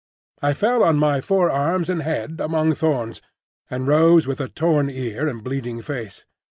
I fell on my forearms and head, among thorns, and rose with a torn ear and bleeding face.